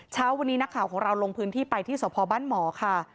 เช้าวันนี้นักข่าวของเราลงพื้นที่ไปที่สพบ้านหมอค่ะ